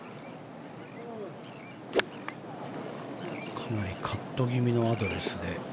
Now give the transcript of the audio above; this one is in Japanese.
かなりカット気味のアドレスで。